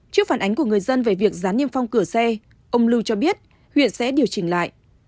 trước phản ánh của người dân về việc rán niêm phong cửa xe ông nguyễn văn lưu cho biết huyện sẽ điều chỉnh lại